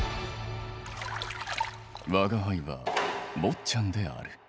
吾輩は坊っちゃんである。